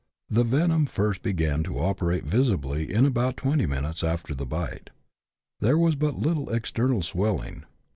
The venom first began to operate visibly in about twenty minutes after the bite. There was but little external swelling.